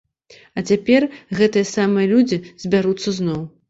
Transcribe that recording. А цяпер гэтыя самыя людзі збяруцца зноў.